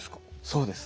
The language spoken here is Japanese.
そうです。